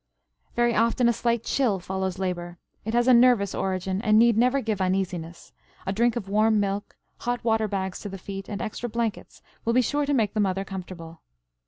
Very often a slight chill follows labor. It has a nervous origin and need never give uneasiness; a drink of warm milk, hot water bags to the feet, and extra blankets will be sure to make the mother comfortable.